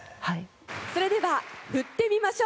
それでは「振ってみまＳＨＯＷ！」。